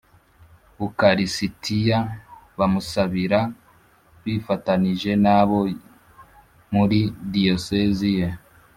ukaristiya bamusabira bifatanyije n’abo muri diyosezi ye